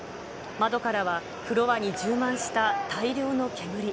窓からはフロアに充満した大量の煙。